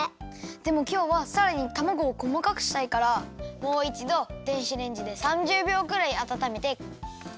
でもきょうはさらにたまごをこまかくしたいからもういちど電子レンジで３０びょうくらいあたためて。